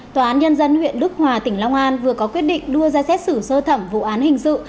tòa án nhân dân huyện đức hòa tỉnh long an vừa có quyết định đưa ra xét xử sơ thẩm vụ án hình sự